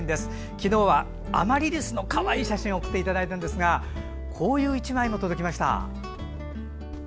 昨日はアマリリスのかわいい写真を送っていただいたんですがこういう１枚も届きました。